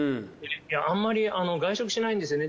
あんまり外食しないんですよね